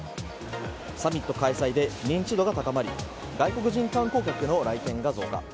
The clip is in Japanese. サミット開催で認知度が高まり外国人観光客の来店が増加。